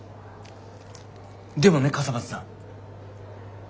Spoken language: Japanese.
でもね笠松さん。